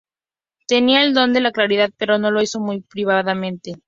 Tenía el don de la caridad, pero lo hizo muy privadamente.